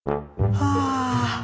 はあ。